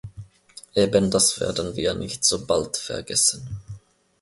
Eben das werden wir nicht so bald vergessen.